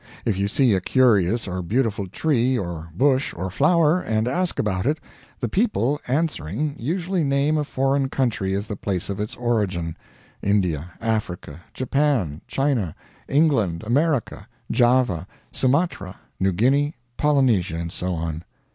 If you see a curious or beautiful tree or bush or flower, and ask about it, the people, answering, usually name a foreign country as the place of its origin India, Africa, Japan, China, England, America, Java, Sumatra, New Guinea, Polynesia, and so on.